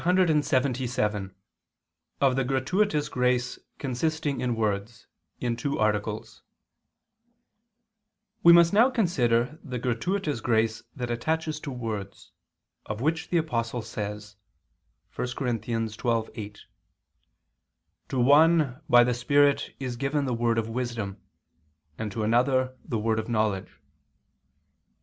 _______________________ QUESTION 177 OF THE GRATUITOUS GRACE CONSISTING IN WORDS (In Two Articles) We must now consider the gratuitous grace that attaches to words; of which the Apostle says (1 Cor. 12:8): "To one ... by the Spirit is given the word of wisdom, and to another the word of knowledge."